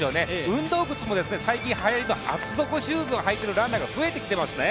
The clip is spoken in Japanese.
運動靴も最近はやりの厚底シューズをはいているランナー、増えてきましたね。